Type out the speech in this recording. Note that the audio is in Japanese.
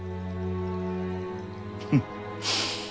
フッ。